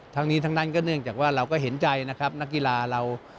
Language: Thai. ทั้งนี้ทั้งนั้นก็เนื่องจากว่าเราก็เห็นใจนะครับนักกีฬาเรา